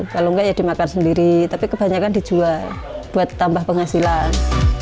kalau enggak ya dimakan sendiri tapi kebanyakan dijual buat tambah penghasilan